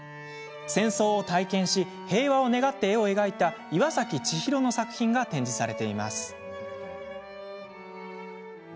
戦争を体験し平和を願って絵を描いたいわさきちひろの作品が展示されています。